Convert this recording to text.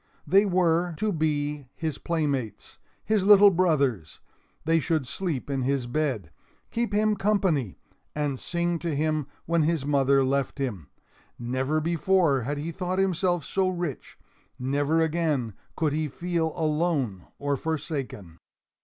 They were to be his playmates, his little brothers; they should sleep in his bed, keep him company, and sing to him when his mother left him. Never before had he thought himself so rich; never again could he feel alone or forsaken.